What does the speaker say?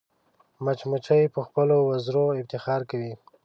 مچمچۍ په خپلو وزرو افتخار کوي